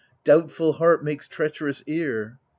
doubtful heart makes treacherous ear.